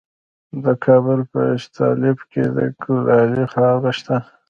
د کابل په استالف کې د کلالي خاوره شته.